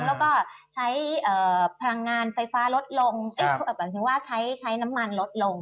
แล้วก็ใช้พลังงานไฟฟ้าลดลงใช้น้ำมันลดลง